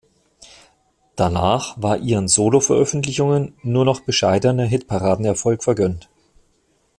Danach war ihren Soloveröffentlichungen nur noch bescheidener Hitparadenerfolg vergönnt.